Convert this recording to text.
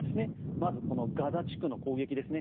まず、ガザ地区の攻撃ですね。